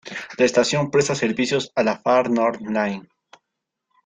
La estación presta servicios a la Far North Line.